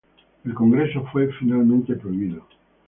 El congreso fue finalmente prohibido.